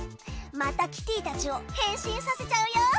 またキティたちを変身させちゃうよ。